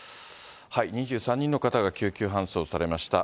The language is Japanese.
２３人の方が救急搬送されました。